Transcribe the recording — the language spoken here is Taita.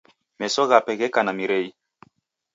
Meso ghape gheka na mirei.